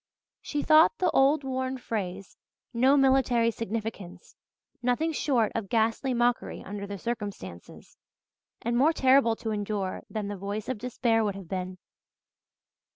She thought the old worn phrase 'no military significance' nothing short of ghastly mockery under the circumstances, and more terrible to endure than the voice of despair would have been.